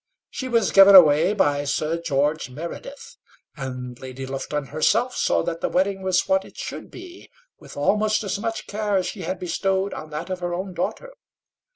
She was given away by Sir George Meredith, and Lady Lufton herself saw that the wedding was what it should be, with almost as much care as she had bestowed on that of her own daughter.